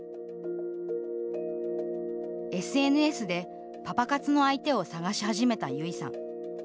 ＳＮＳで、パパ活の相手を探し始めた、ゆいさん。